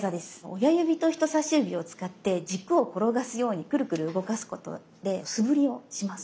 親指と人さし指を使って軸を転がすようにクルクル動かすことで素振りをします。